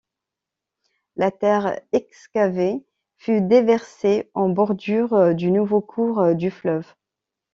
La terre excavée fut déversée en bordure du nouveau cours du fleuve.